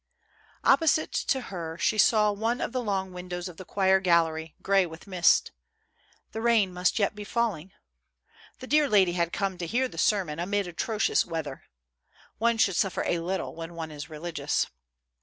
Opposite to her, she saw one of the long windows of the choir gallery, gray with mist. The rain must yet be falling. The dear lady had come to hear the sermon amid atrocious weather. One should suffer a little when one is religious.